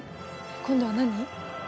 今度は何？